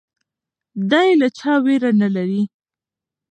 دی له چا ویره نه لري.